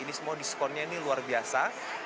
ini semua diskonnya ini luar biasa